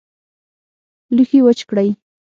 لوښي وچ کړئ